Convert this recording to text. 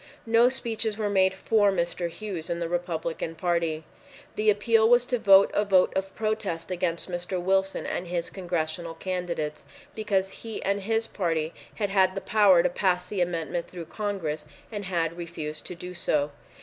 No speeches were made for Mr. Hughes and the Republican Party. The appeal was to vote a vote of protest against Mr. Wilson and his Congressional candidates, because he and his party had had the power to pass the amendment through Congress and had refused to do so.